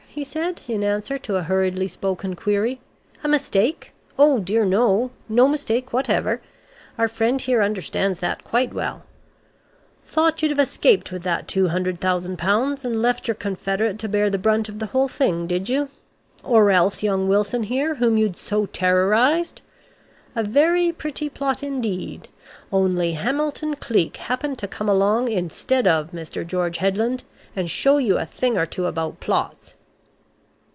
he said in answer to a hurriedly spoken query. "A mistake? Oh dear, no. No mistake whatever. Our friend here understands that quite well. Thought you'd have escaped with that £200,000 and left your confederate to bear the brunt of the whole thing, did you? Or else young Wilson here whom you'd so terrorized! A very pretty plot indeed, only Hamilton Cleek happened to come along instead of Mr. George Headland, and show you a thing or two about plots."